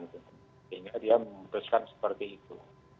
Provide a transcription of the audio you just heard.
sehingga dia memutuskan seperti itu